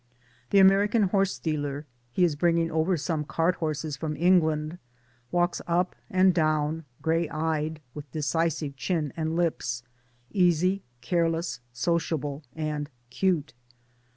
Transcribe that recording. The American horse dealer (he is bringing over some cart horses from England) walks up and down grey eyed, with decisive chin and lips, easy careless sociable and 'cute.